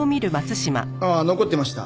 ああ残ってました。